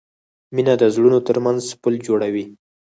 مینه د زړونو ترمنځ پُل جوړوي.